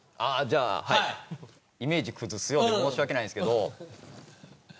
イメージ崩すようで申し訳ないんですけど。